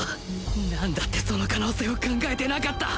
なんだってその可能性を考えてなかった？